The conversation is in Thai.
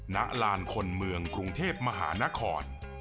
ณลานคนเมืองกรุงเทพมหานคร